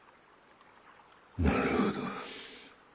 なるほど。